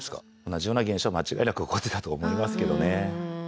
同じような現象は間違いなく起こってたと思いますけどね。